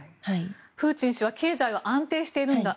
プーチン氏は経済は安定しているんだ。